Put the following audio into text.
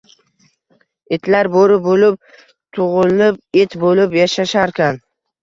Itlar bo‘ri bo‘lib tug‘ilib, it bo‘lib yashasharkan